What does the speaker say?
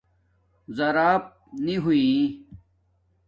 زراپ نی ہوی